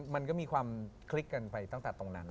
มันก็มีความคลิกกันไปตั้งแต่ตรงนั้น